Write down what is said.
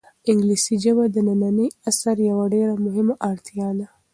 انګلیسي ژبه د ننني عصر یوه ډېره مهمه اړتیا ده.